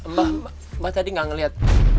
mbak mbak tadi gak ngelihat